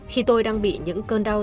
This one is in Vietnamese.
khi tôi đang bị những cơn đau